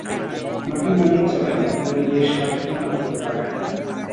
মাটি মাড়িয়ে চলে না, ওপরে গিয়ে সাতখানা করে লাগায়।